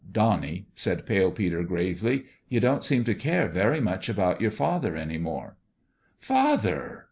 "Donnie," said Pale Peter, gravely, "you don't seem to care very much about your father any more." " Father